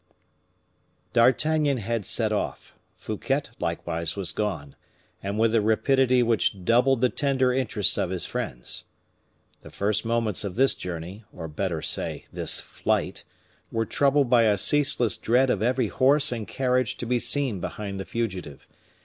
D'Artagnan had set off; Fouquet likewise was gone, and with a rapidity which doubled the tender interest of his friends. The first moments of this journey, or better say, this flight, were troubled by a ceaseless dread of every horse and carriage to be seen behind the fugitive.